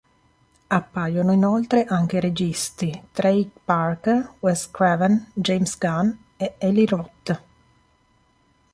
Appaiono inoltre anche i registi Trey Parker, Wes Craven, James Gunn e Eli Roth.